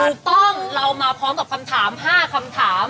ถูกต้องเรามาพร้อมกับคำถาม๕คำถาม